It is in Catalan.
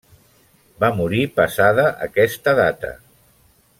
Va morir passada aquesta data.